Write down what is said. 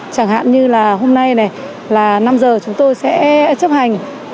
chẳng hạn như là hôm nay này là năm giờ chúng tôi sẽ chấp hành